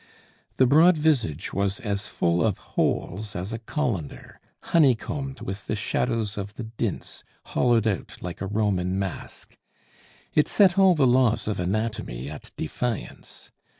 The broad visage was as full of holes as a colander, honeycombed with the shadows of the dints, hollowed out like a Roman mask. It set all the laws of anatomy at defiance.